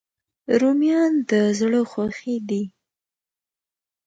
رومیان د زړه خوښي دي